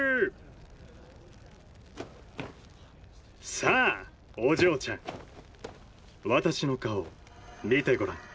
さぁお嬢ちゃん私の顔見てごらん。